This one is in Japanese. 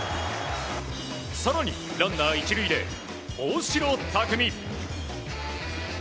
更に、ランナー１塁で大城卓三。